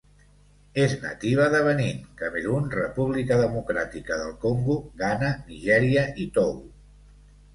És nativa de Benín, Camerun, República democràtica del Congo, Ghana, Nigèria i Togo.